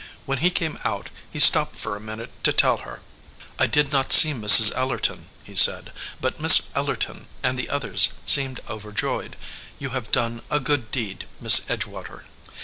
When he came out he stopped for a minute to tell her. "I did not see Mrs. Ellerton," he said, "but Miss Ellerton and the others seemed overjoyed. You have done a good deed, Miss Edgewater."